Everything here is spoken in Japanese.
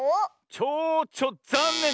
チョウチョざんねん！